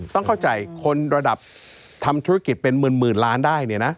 ต้องเข้าใจคนระดับทำธุรกิจเป็นหมื่นล้านได้เนี่ยนะ